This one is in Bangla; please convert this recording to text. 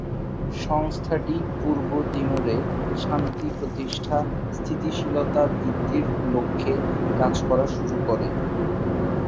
সংস্থাটি পূর্ব তিমুরে শান্তি প্রতিষ্ঠা, স্থিতিশীলতা বৃদ্ধির লক্ষ্যে কাজ করা শুরু করে।